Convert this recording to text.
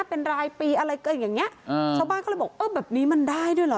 เป็นรายปีอะไรก็อย่างเงี้ชาวบ้านก็เลยบอกเออแบบนี้มันได้ด้วยเหรอ